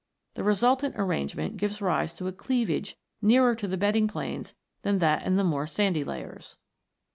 The resultant arrangement gives rise to a cleavage nearer to the bedding planes than that in the more sandy layers.